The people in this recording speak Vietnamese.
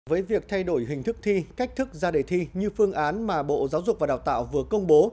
với việc thay đổi hình thức thi cách thức ra đề thi như phương án mà bộ giáo dục và đào tạo vừa công bố